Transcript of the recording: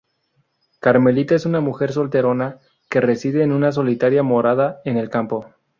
Carmelita es una mujer solterona que reside en una solitaria morada en el campo.